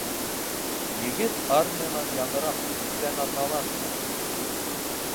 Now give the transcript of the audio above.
Егет армиянан яңыраҡ, үткән аҙнала ғына...